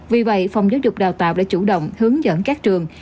vì vậy phòng giáo dục đào tạo đã chủ động hướng dẫn các trường